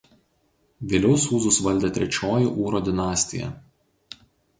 Vėliau Sūzus valdė Trečioji Ūro dinastija.